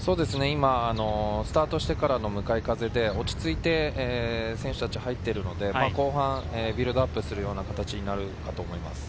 スタートしてからの向かい風で落ち着いて入っているので、後半、ビルドアップするような形になると思います。